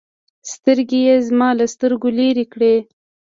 سترگې يې زما له سترگو لرې کړې.